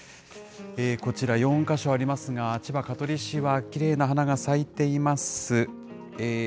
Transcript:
こちら４か所ありますが、千葉・香取市はきれいな花が咲いています。